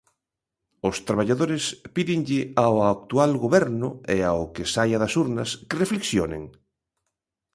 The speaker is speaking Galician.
Os traballadores pídenlle ao actual Goberno e ao que saia das urnas que reflexionen.